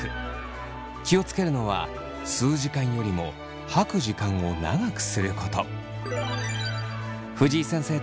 気を付けるのは吸う時間よりも吐く時間を長くすること。